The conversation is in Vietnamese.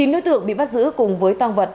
chín đối tượng bị bắt giữ cùng với tăng vật